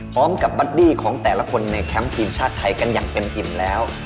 บัดดี้ของแต่ละคนในแคมป์ทีมชาติไทยกันอย่างเต็มอิ่มแล้ว